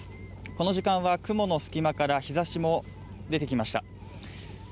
この時間は雲の隙間から日差しも出てきました